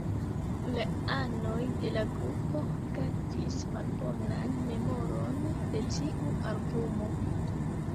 La anoj de la grupo gardis malbonan memoron de tiu albumo.